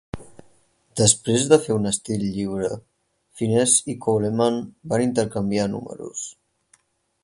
Després de fer un estil lliure, Finesse i Coleman van intercanviar números.